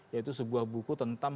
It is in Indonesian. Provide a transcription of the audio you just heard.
yaitu sebuah buku tentang